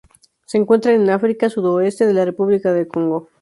Se encuentran en África: sudoeste de la República del Congo.